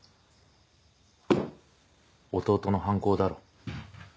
弟の犯行だろ。